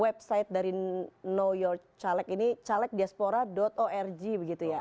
website dari knowyourcaleg ini calegdiaspora org begitu ya